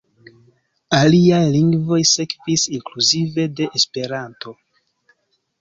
Aliaj lingvoj sekvis, inkluzive de Esperanto.